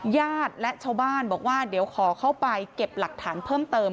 ญาติและชาวบ้านบอกว่าเดี๋ยวขอเข้าไปเก็บหลักฐานเพิ่มเติม